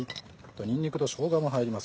にんにくとしょうがも入ります